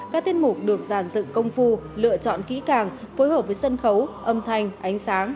các tiết mục được giàn dựng công phu lựa chọn kỹ càng phối hợp với sân khấu âm thanh ánh sáng